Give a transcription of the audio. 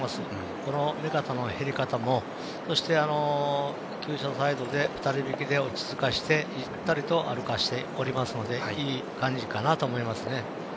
この目方の減り方もそしてきゅう舎サイドで２人引きで落ち着かせてゆったりと歩かせているのでいい感じかなと思いますね。